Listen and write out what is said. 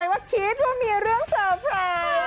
ว่าคิดว่ามีเรื่องเซอร์ไพรส์